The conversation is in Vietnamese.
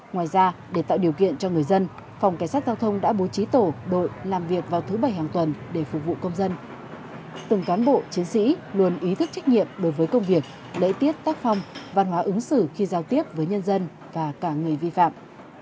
ngoài ra để tạo điều kiện cho người dân phòng cảnh sát giao thông đã bố trí tổ đội làm việc vào thứ bảy hàng tuần để phục vụ công dân từng cán bộ chiến sĩ luôn ý thức trách nhiệm đối với công việc lễ tiết tác phong văn hóa ứng xử khi giao tiếp với nhân dân và cả người vi phạm